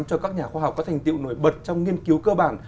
cho các nhà khoa học có thành tiệu nổi bật trong nghiên cứu cơ bản